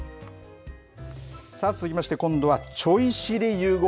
続きまして、今度はちょい知り！